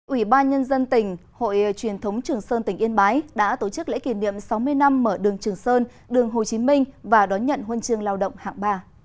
ủy ban nhân dân tỉnh hội truyền thống trường sơn tỉnh yên bái đã tổ chức lễ kỷ niệm sáu mươi năm mở đường trường sơn đường hồ chí minh và đón nhận huân chương lao động hạng ba